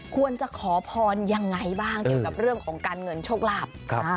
ควรจะขอพรยังไงบ้างเกี่ยวกับเรื่องของการเงินโชคลาภ